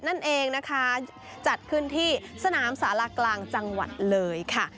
นั่นเองนะคะจัดขึ้นที่สนามสารากลางจังหวัดเลยค่ะ